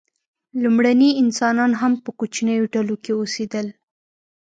لومړني انسانان هم په کوچنیو ډلو کې اوسېدل.